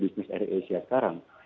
business air asia sekarang